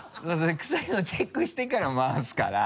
クサイのチェックしてから回すから。